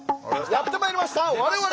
やって参りました我々が。